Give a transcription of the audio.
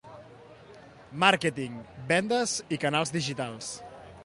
Màrqueting, vendes i canals digitals.